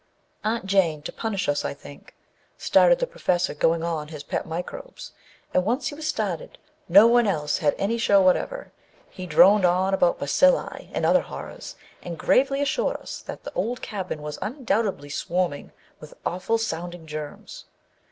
Aunt Jane â to punish us, I think â started the Professor going on his pet microbes, and once he was started, no one else had any show whatever. He droned on about bacilli and other horrors, and gravely assured us that old cabin was undoubtedly swarming with awful sounding germs.